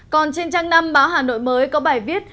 còn trên trang năm báo hà nội mới có bài viết